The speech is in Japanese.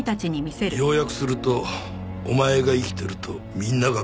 要約すると「お前が生きてるとみんなが苦しむぞ」